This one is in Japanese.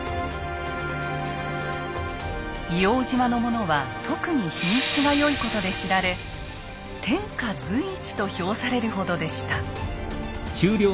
硫黄島のものは特に品質が良いことで知られ天下随一と評されるほどでした。